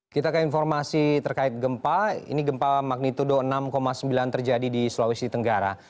kita ke informasi terkait gempa ini gempa magnitudo enam sembilan terjadi di sulawesi tenggara